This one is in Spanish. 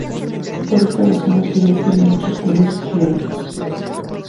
Por esta razón, la ciudad tiene muchos pueblos y ciudades.